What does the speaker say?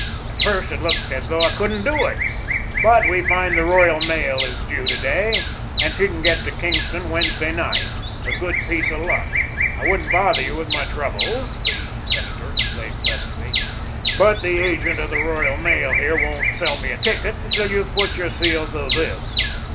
At first it looked as though I couldn't do it, but we find that the Royal Mail is due to day, and she can get to Kingston Wednesday night. It's a great piece of luck. I wouldn't bother you with my troubles," the senator explained pleasantly, "but the agent of the Royal Mail here won't sell me a ticket until you've put your seal to this."